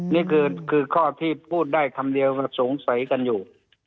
นี่คือข้อที่พูดได้คำเดียวสงสัยกันอยู่